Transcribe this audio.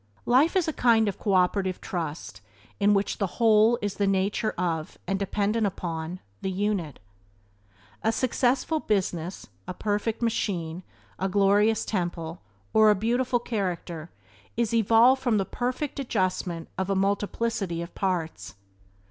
Life is a kind of cooperative trust in which the whole is of the nature of, and dependent upon, the unit. A successful business, a perfect machine, a glorious temple, or a beautiful character is evolved from the perfect adjustment of a multiplicity of parts.